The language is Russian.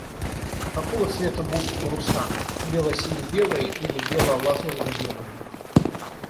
А какого цвета будут паруса? Бело-сине-белые или бело-лазорево-белые?